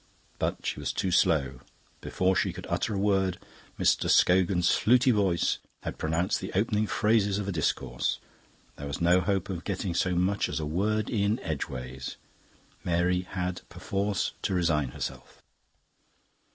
But she was too slow. Before she could utter a word Mr. Scogan's fluty voice had pronounced the opening phrases of a discourse. There was no hope of getting so much as a word in edgeways; Mary had perforce to resign herself.